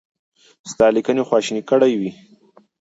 ستا لیکنه خواشینی کړی وي.